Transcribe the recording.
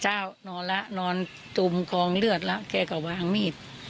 จ้าวนอนละนอนจุมกองเลือดละแกก็วางมีด